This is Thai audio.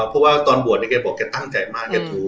เพราะว่าตอนบวชเนี่ยแกบอกมาที่ตั้งใจมาก